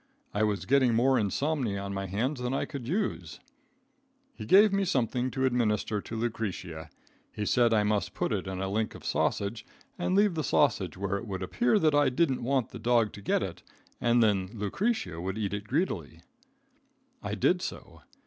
I was getting more insomnia on my hands than I could use. He gave me something to administer to Lucretia. He said I must put it in a link of sausage and leave the sausage where it would appear that I didn't want the dog to get it, and then Lucretia would eat it greedily. I did so.